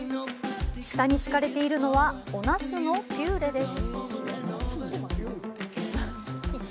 下に敷かれているのはおナスのピューレです。